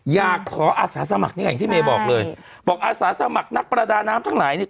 อยากขออาสาสมัครนี่อย่างที่เมย์บอกเลยบอกอาสาสมัครนักประดาน้ำทั้งหลายเนี่ย